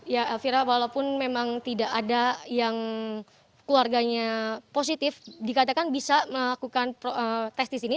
ya elvira walaupun memang tidak ada yang keluarganya positif dikatakan bisa melakukan tes di sini